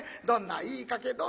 どんないい家系